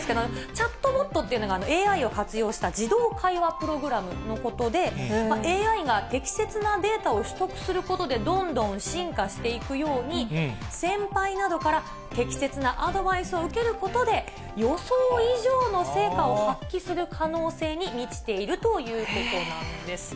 チャットボットっていうのは、ＡＩを活用した自動会話プログラムのことで、ＡＩが適切なデータを取得することで、どんどん進化していくように、先輩などから適切なアドバイスを受けることで、予想以上の成果を発揮する可能性に満ちているということなんです。